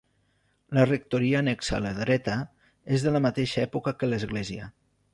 La rectoria annexa a la dreta és de la mateixa època que l'església.